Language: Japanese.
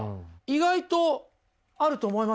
意外とあると思いません？